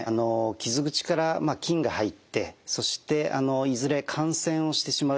傷口から菌が入ってそしていずれ感染をしてしまう可能性があるわけですね。